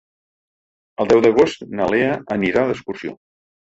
El deu d'agost na Lea anirà d'excursió.